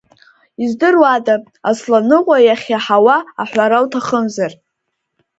Издыруада, Асланыҟәа иахьиаҳауа аҳәара уҭахымзар?